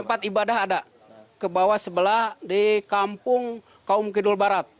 tempat ibadah ada ke bawah sebelah di kampung kaum kidul barat